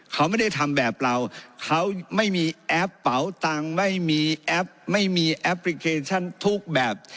เขาไม่ได้ทำแบบเราเขาไม่มีแอปเป๋าตังค์ไม่มีแอปไม่มีแอปพลิเคชันทุกแบบ